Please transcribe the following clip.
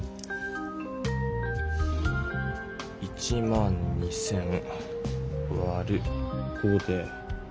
１２０００わる５で。